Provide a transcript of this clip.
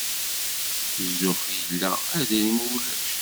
Zzux illa, adrim ulac.